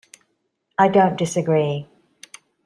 I don't disagree.